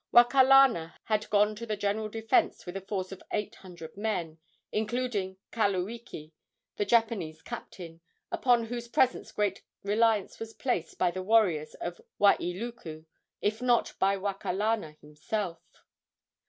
Wakalana had gone to the general defence with a force of eight hundred men, including Kaluiki, the Japanese captain, upon whose presence great reliance was placed by the warriors of Wailuku, if not by Wakalana himself.